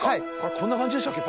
こんな感じでしたっけ？